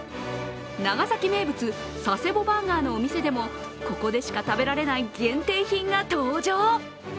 長崎名物、佐世保バーガーのお店でもここでしか食べられない限定品が登場。